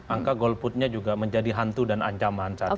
angka golputnya juga menjadi hantu dan ancaman saat ini